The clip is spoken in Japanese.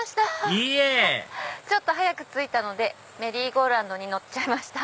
いいえちょっと早く着いたのでメリーゴーラウンドに乗っちゃいました。